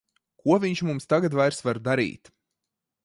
Ko viņš mums tagad vairs var darīt!